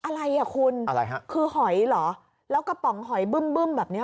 อะไรอ่ะคุณอะไรฮะคือหอยเหรอแล้วกระป๋องหอยบึ้มบึ้มแบบเนี้ย